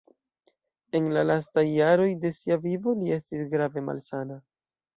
En la lastaj jaroj de sia vivo li estis grave malsana.